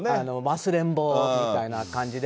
忘れん坊みたいな感じで。